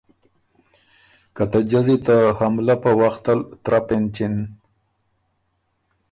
که ته جزی ته حمله په وخت ال ترپ اېنچِن